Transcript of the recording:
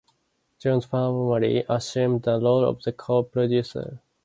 Johns formally assumed the role of a co-producer.